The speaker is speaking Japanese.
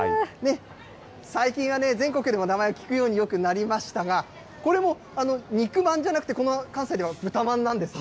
最近はね、全国でも名前聞くように、よくなりましたが、これも肉まんじゃなくて、この関西では、豚まんなんですね。